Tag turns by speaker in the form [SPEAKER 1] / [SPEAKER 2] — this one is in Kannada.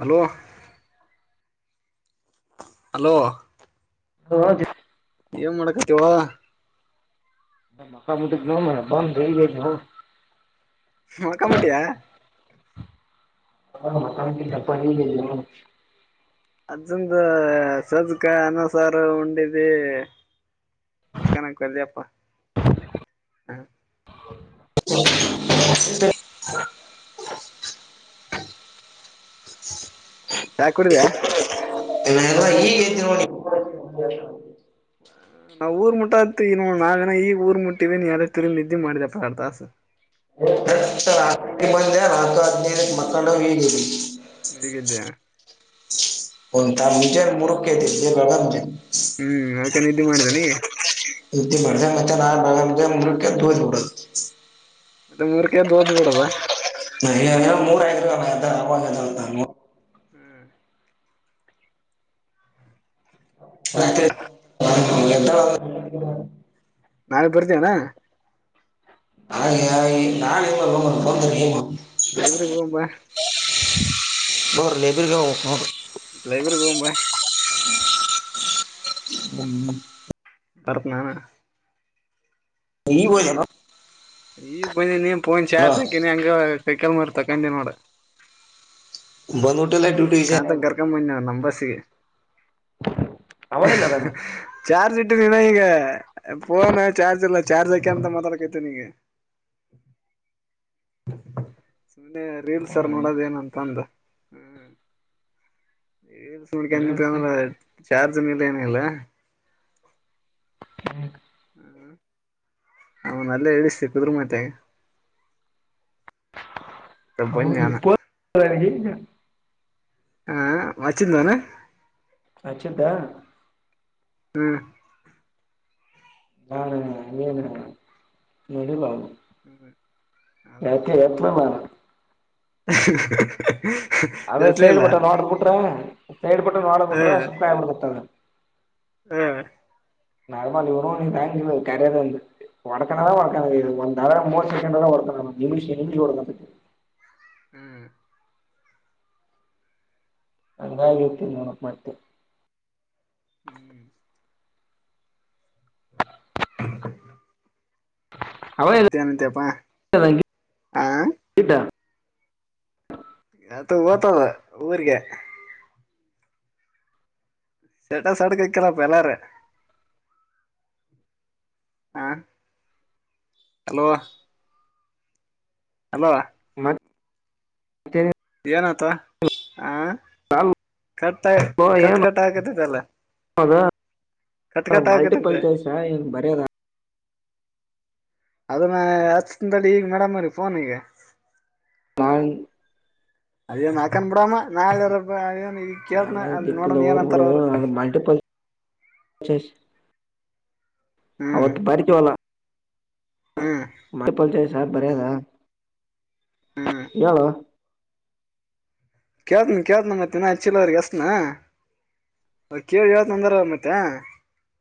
[SPEAKER 1] ಹಲೋ ಹಲೋ
[SPEAKER 2] [unintelligible]
[SPEAKER 1] ಏನ್ ಮಾಡಾಕತಿವಾ
[SPEAKER 2] [unintelligible]
[SPEAKER 1] ಮಲ್ಕೋ ಬಿಟ್ಯಾ
[SPEAKER 2] [inaudible]
[SPEAKER 1] ಅಲ್ಸಾಂದೇ ಸಜ್ಕ ಅನ್ನಸಾರ ಉಂಡಿದಿ [inaudible]
[SPEAKER 2] [inaudible] [inaudible]
[SPEAKER 1] ಚಾ ಕುಡುದ್ಯಾ.
[SPEAKER 2] [inaudible] [unintelligible] [inaudible]
[SPEAKER 1] ನಾವ್ ಊರ್ ಮುಟ್ಟತೀವ್ ನೋಡ್ ನಾ ಗನ ಈಗ್ ಊರ್ ಮುಟ್ಟೀವಿ ನೆರಗ್ ತಿರ್ಗ್ ನಿದ್ದಿ ಮಾಡಿದೆಪ್ಪ ಆರ್ ತಾಸು.
[SPEAKER 2] [inaudible] ನಾಕ್ ಅದ್ನೈದಕ್ಕ ಮಕ್ಕಂಡೋನಿ
[SPEAKER 1] ದೀ ಗೆದ್ಯ
[SPEAKER 2] [unintelligible]
[SPEAKER 1] ಹ್ಮ್ ಯಾಕ ನಿದ್ದ್ ಮಾಡದನಿ.
[SPEAKER 2] [unintelligible]
[SPEAKER 1] ದ ಮೂರ್ ಕೆದ್ದು ಒದ್ ಬಿಡದ.
[SPEAKER 2] [unintelligible] ರಾತ್ರಿ [inaudible] ಎದ್ದೇಳದ್
[SPEAKER 1] ನಾಳ್ ಬರ್ತಿಯಣಾ.
[SPEAKER 2] [unintelligible]
[SPEAKER 1] ಲೈಬ್ರರಿಗ್ ಹೋಗ್ ಬಾ.
[SPEAKER 2] ಬೊರ್ ಲೇ ಬಿರ್ಗೆ. [unintelligible]
[SPEAKER 1] ಲೈಬ್ರರಿಗ್ ಹೋಗುಮ್ ಬಾ.
[SPEAKER 2] [unintelligible] ಮ್ ಮ್.
[SPEAKER 1] ತರ್ಪ್ನಾನಾ.
[SPEAKER 2] ಈಗೋದೆನೋ.
[SPEAKER 1] ಈಗ್ ಬಂದಿನೀ ಪೋನ್ ಚಾರ್ಜ್ ಹಾಕಿನಿ ಹಂಗೆ ಕೈ ಕಾಲ್ ಮಾರಿ ತೊಳಕೊಂಡಿ ನೋಡ್.
[SPEAKER 2] ಬಂದ್ ಬುಟ್ಟಲೆ ಡ್ಯೂಟಿಗೆ.
[SPEAKER 1] ಆತನ ಕರ್ಕೋ ಬನ್ನಿ ನಮ್ ಬಸ್ಸಿಗೆ.
[SPEAKER 2] ಅವಳಲ್ಲ ಅದಾನ
[SPEAKER 1] [unintelligible] ಚಾರ್ಜ್ ಇಟ್ಟಿನ್ ಅಣ್ಣ ಇಗೆ, ಪೋನಾ ಚಾರ್ಜ್ ಇಲ್ಲ ಚಾರ್ಜ್ ಅಕ್ಯಂತ ಮಾತಾಡಾ ಕತ್ತೀನಿ ಇಗೆ. ಸುಮ್ನೇ ರೀಲ್ಸ್ ಆದ್ರು ನೋಡದ್ ಏನಂತ ಅಂದ್. [unintelligible] ಚಾರ್ಜನ್ ಇಲ್ಲ ಏನ ಇಲ್ಲ.
[SPEAKER 2] [inaudible]
[SPEAKER 1] ಅವನ್ ಅಲ್ಲೇ ಇಳಿಸದ್ರು ಮತ್ತೆ. ಬನ್ನಿ ಅನ
[SPEAKER 2] [unintelligible]
[SPEAKER 1] ಹಾ ವಾಚಿಂದಾನ.
[SPEAKER 2] ಹಚ್ಚಿದ್ದ.
[SPEAKER 1] ಹ್ಮ್ಮ್.
[SPEAKER 2] ನಾ ಇ [unintelligible] ನಡಿ ಲಾ ಯಾಕೆ [unintelligible] ನಾ ನಾ.
[SPEAKER 1] [unintelligible]
[SPEAKER 2] ಅದ್ ಸೈಡ್
[SPEAKER 1] ಎತ್ಲಿಲ್ಲ
[SPEAKER 2] ಬಟನ್ ನೋಡ್ ಬಿಟ್ರೆ ಸೈಡ್ ಬಟನ್ ನೋಡಬ್
[SPEAKER 1] ಹ
[SPEAKER 2] ಬಿಟ್ರೆ ಸುಮ್ನೆ ಆಗ್ಬಿತದ.
[SPEAKER 1] ಹಾ.
[SPEAKER 2] ನರಮಾಲಿ ಇವ್ನು ನಿ [unintelligible] ಕರೆದೆ ವಡಾಕಣವ ವಡಾಕಣವ [unintelligible] ಅಲಾರಂ ಮೂವತ್ಸೆಕೆಂಡು ಒಡ್ಕೋಂಡದ ನಿಮಿಷ್ ನಿಮಿಷಕ ಒಡ್ಕೋಂಡದ.
[SPEAKER 1] ಹ
[SPEAKER 2] ಹಂಗಾಗಿ ತಿನ್ನನ ಮತ್ತೆ.
[SPEAKER 1] ಹು [inaudible]
[SPEAKER 2] ಅವ
[SPEAKER 1] ಮತ್ತೆನ ನತ್ಯಪ್ಪಾ ಹಾ
[SPEAKER 2] ಇಲ್ಲ
[SPEAKER 1] ಅತು ಓತದ ಊರ್ಗೆ ಸ್ಟೇಟಸ್ ಅಡಕ ಇಕ್ಕಲ್ಲ ಎಲರ ಹಾ ಹಲೋ ಹಲೋ
[SPEAKER 2] ಮತ್
[SPEAKER 1] ಏನತ ಹ ಕಟ್ ಕಟ್ ಕಟ್ ಆಗಕತದಲ್ಲ
[SPEAKER 2] ಅದ
[SPEAKER 1] ಹಾಕತೈತೆ
[SPEAKER 2] ಮಲ್ಟಿಪಲ್ಟೈಸ ಏನ್ ಬರೋದ
[SPEAKER 1] ಅದನ್ನ ಹಚ್ಚತನ ತಡಿ ಈಗ ಮೇಡಮರಿಗ ಫೋನಿಗ ಅದನ ಹಾಕನ್ ಬಿಡಾಮ ನಾಳೇರ ಪ
[SPEAKER 2] ಏನೋ ಡಿ ಫ್ಲರ್ ಬಿಡು ಅದ ಮಲ್ಟಿಪಲ್ ಚೆಸ್ ಅವತ್ತ ಬಾರಕ್ಕೆವಲ
[SPEAKER 1] ಹ್ಮ
[SPEAKER 2] ಮಪಲ್ಚಾಯ ಚಾಯ್ಸ್ ಬರದ ಹೇಳೋ
[SPEAKER 1] ಕೇಳ್ತನ ಕೇಳ್ತನ ಮತ್ತ ಇನ ಹಚ್ಚಿಲ ಅವ್ರಿಗ ಹಚ್ತನ ಕೇಳಿ ಹೇಳ್ತ ಅಂದಾರ ಮತ್ತೆ